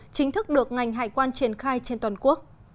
chính thức được ngành hải quan triển khai trên toàn quốc